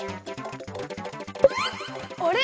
あれ？